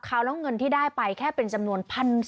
แล้วเงินที่ได้ไปแค่เป็นจำนวน๑๔๐๐